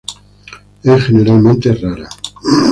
Es generalmente rara.